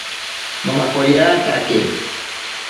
Nomakoriatake.